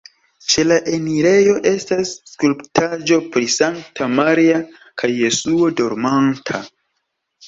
Ĉe la enirejo estas skulptaĵo pri Sankta Maria kaj Jesuo dormanta.